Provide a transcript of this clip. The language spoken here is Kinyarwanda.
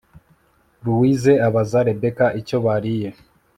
louise abaza rebecca icyo bariye